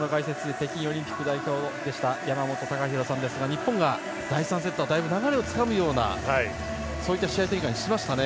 北京オリンピック代表でした山本隆弘さんですが日本が第３セットはだいぶ流れをつかむような試合展開にしましたね。